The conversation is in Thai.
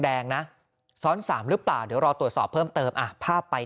แดงนะซ้อนสามหรือเปล่าเดี๋ยวรอตรวจสอบเพิ่มเติมอ่ะภาพไป